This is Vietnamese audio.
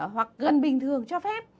hoặc gần bình thường cho phép